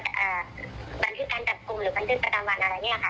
ตามศาตาที่เขาเรียก